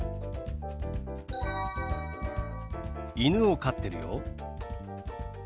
犬を飼ってるよ。